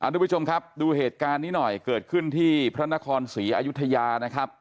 ทุกผู้ชมครับดูเหตุการณ์นี้หน่อยเกิดขึ้นที่พระนครศรีอยุธยานะครับ